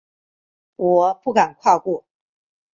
我不敢跨过